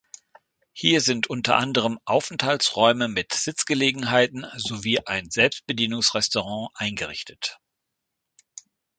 Hier sind unter anderem Aufenthaltsräume mit Sitzgelegenheiten sowie ein Selbstbedienungsrestaurant eingerichtet.